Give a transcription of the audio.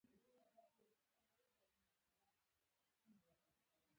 تر روژه ماتي پینځلس دقیقې وړاندې دا پېښه وشوه.